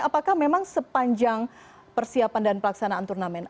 apakah memang sepanjang persiapan dan pelaksanaan turnamen